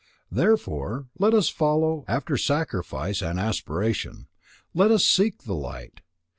Therefore, let us follow after sacrifice and aspiration, let us seek the light.